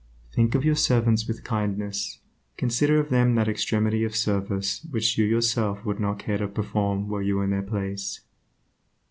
Think of your servants with kindness, consider of them that extremity of service which you yourself would not care to perform were you in their place.